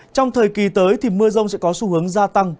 trong thời kỳ tới thì mưa rông sẽ có xu hướng gia tăng